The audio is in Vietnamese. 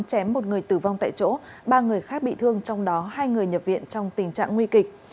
chém một người tử vong tại chỗ ba người khác bị thương trong đó hai người nhập viện trong tình trạng nguy kịch